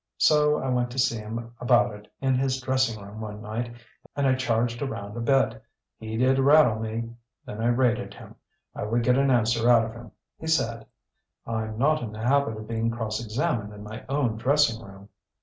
So I went to see him about it in his dressing room one night, and I charged around a bit. He did rattle me! Then I raided him. I would get an answer out of him. He said: "'I'm not in the habit of being cross examined in my own dressing room.